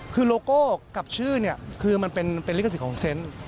คือโลโก้กับชื่อเนี่ยคือมันเป็นลิขสิทธิ์เซนต์